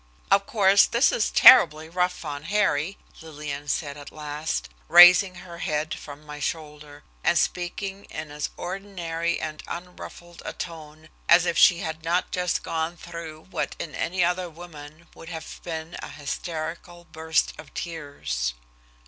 "Of course, this is terribly rough on Harry," Lillian said at last, raising her head from my shoulder, and speaking in as ordinary and unruffled a tone as if she had not just gone through what in any other woman would have been a hysterical burst of tears.